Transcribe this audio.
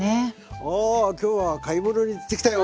お今日は買い物に行ってきたよ。